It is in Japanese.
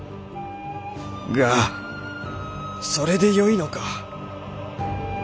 がそれでよいのか。